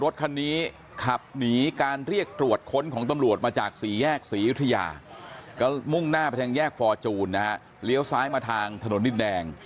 สีอิทยาก็มุ่งหน้าแผ่นแยกฟอร์จูนเรียวซ้ายมาทางถนนดินแดง